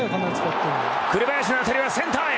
紅林の当たりがセンターへ。